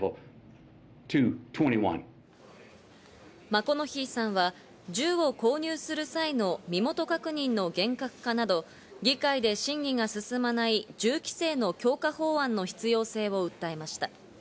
マコノヒーさんは、銃を購入する際の身元確認の厳格化など、議会で審議が進まない銃規制の強化法案の必要性を訴えました。